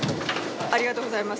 ありがとうございます。